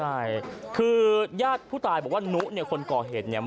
ใช่คือญาติผู้ตายบอกว่านุเนี่ยคนก่อเหตุเนี่ย